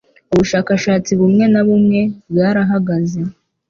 ubushakashatsi bumwe na bumwe bwarahagaze